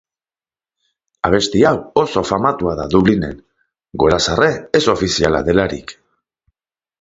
Abesti hau oso famatua da Dublinen, gorazarre ez ofiziala delarik.